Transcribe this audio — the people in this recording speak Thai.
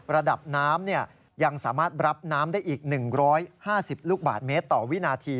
ระดับน้ำยังสามารถรับน้ำได้อีก๑๕๐ลูกบาทเมตรต่อวินาที